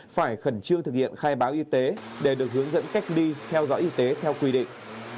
phải khẩn trương thực hiện khai báo y tế để được hướng dẫn cách ly theo dõi y tế theo quy định